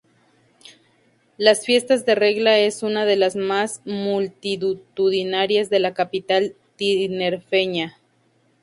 Las Fiestas de Regla es una de las más multitudinarias de la capital tinerfeña.